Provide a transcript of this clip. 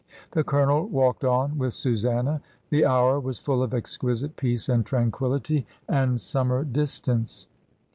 The Colonel walked on with Susanna. The hour was full of exquisite peace and tranquillity, and ABOUT PHRAISIE. 277 summer distance.